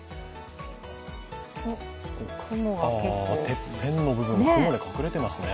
てっぺんの部分、雲が隠れていますね。